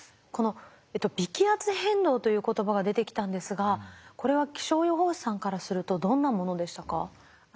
この微気圧変動という言葉が出てきたんですがこれは気象予報士さんからするとどんなものでしたか？